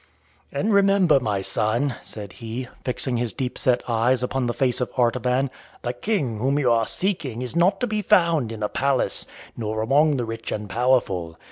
"And remember, my son," said he, fixing his deep set eyes upon the face of Artaban, "the King whom you are seeking is not to be found in a palace, nor among the rich and powerful.